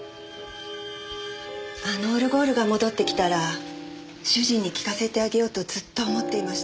あのオルゴールが戻ってきたら主人に聴かせてあげようとずっと思っていました。